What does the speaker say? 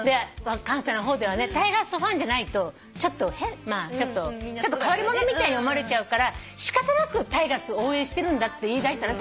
関西の方ではねタイガースファンじゃないとちょっと変わり者みたいに思われちゃうから仕方なくタイガース応援してるんだって言いだしたの。